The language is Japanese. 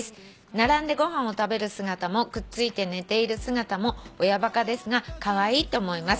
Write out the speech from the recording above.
「並んでご飯を食べる姿もくっついて寝ている姿も親バカですがカワイイと思います」